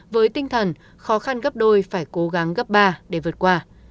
với tinh thần khó khăn gấp đôi phải cố gắng gấp ba để vượt qua